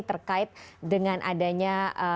terkait dengan adanya